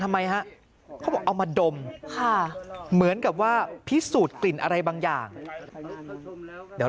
ทำไมฮะเขาบอกเอามาดมค่ะเหมือนกับว่าพิสูจน์กลิ่นอะไรบางอย่างเดี๋ยว